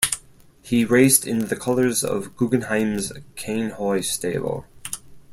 He raced in the colors of Guggenheim's Cain Hoy Stable.